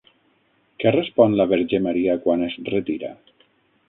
Què respon la Verge Maria quan es retira?